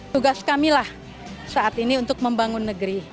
tugas kami lah saat ini untuk membangun negeri